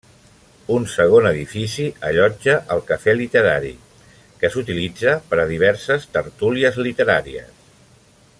Un segon edifici allotja el cafè literari, que s'utilitza per a diverses tertúlies literàries.